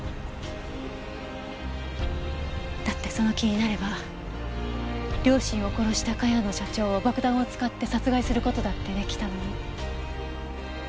だってその気になれば両親を殺した茅野社長を爆弾を使って殺害する事だって出来たのに。